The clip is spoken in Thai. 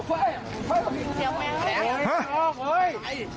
ไปแมว็ะได้